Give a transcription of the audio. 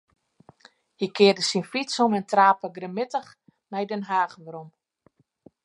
Hy kearde syn fyts om en trape grimmitich nei Den Haach werom.